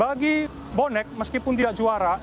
bagi bonek meskipun tidak juara